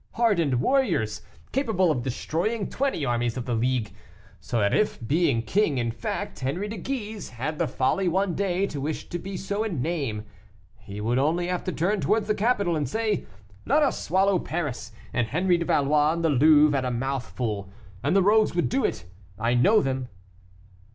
hardened warriors, capable of destroying twenty armies of the League; so that if, being king in fact, Henri de Guise had the folly one day to wish to be so in name, he would only have to turn towards the capital, and say, 'Let us swallow Paris, and Henri de Valois and the Louvre at a mouthful,' and the rogues would do it. I know them."